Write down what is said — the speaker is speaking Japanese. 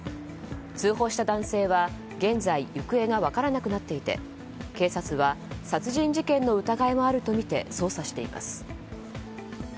通報した男性は現在行方が分からなくなっていて警察は、殺人事件の疑いもあるとみて捜査しています。